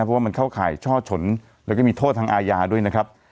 เพราะว่ามันเข้าข่ายช่อฉนแล้วก็มีโทษทางอาญาด้วยนะครับ